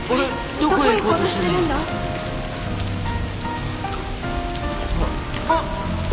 どこへ行こうとしてるんだ⁉うっ。